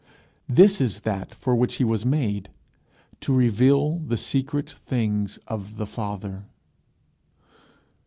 This is that for which he was made to reveal the secret things of the Father.